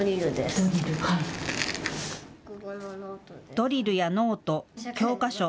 ドリルやノート、教科書。